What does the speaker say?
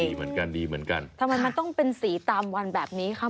ทำไมมันต้องเป็นสีตามวันแบบนี้ค่ะ